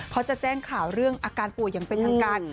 เขาจะแจ้งข่าวเรื่องอาการป่วยอย่างเป็นทางการ